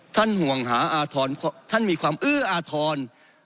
ท่านห่วงหาอาทรณ์ท่านมีความอื้ออาทรณ์